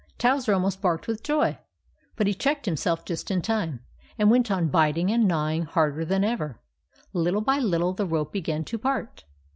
Towser almost barked with joy, but he checked himself just in time, and went on biting and gnawing harder than ever. Little by little the rope began to part.